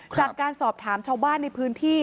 จากการสอบถามชาวบ้านในพื้นที่